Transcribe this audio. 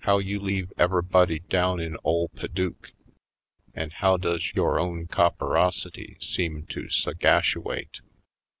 How you leave ever'body down in ole Paduke? An' how does yore own copperosity seem to sagashuate?"